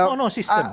tidak tidak sistem